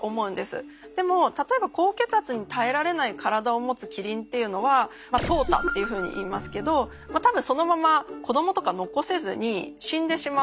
でも例えば高血圧に耐えられない体を持つキリンというのは「淘汰」っていうふうに言いますけどたぶんそのまま子どもとか残せずに死んでしまうんじゃないかと。